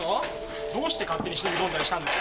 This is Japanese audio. どうして勝手に忍び込んだりしたんです？